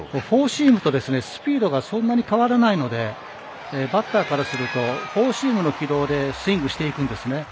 フォーシームとスピードがそんなに変わらないのでバッターからするとフォーシームの軌道でスイングしていくんですね。